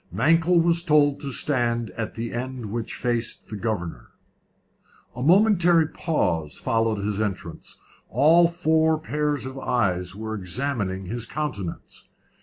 Mankell was told to stand at the end which faced the governor. A momentary pause followed his entrance all four pairs of eyes were examining his countenance.